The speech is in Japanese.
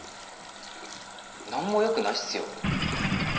何もよくないすよ。